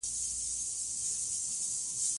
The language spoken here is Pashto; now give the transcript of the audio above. ځان مې ورته اور، لمبه کړ.